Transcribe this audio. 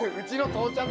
兄ちゃん！